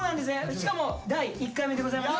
しかも第１回目でございます。